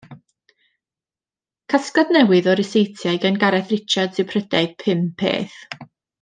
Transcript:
Casgliad newydd o ryseitiau gan Gareth Richards yw Prydau Pum Peth.